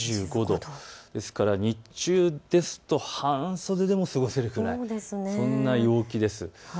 ですから日中ですと半袖でも過ごせるくらい、そんな陽気です。